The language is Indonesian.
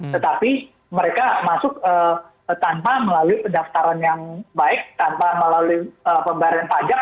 tetapi mereka masuk tanpa melalui pendaftaran yang baik tanpa melalui pembayaran pajak